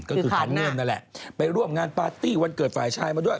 ก็คือคันเริ่มนั่นแหละไปร่วมงานปาร์ตี้วันเกิดฝ่ายชายมาด้วย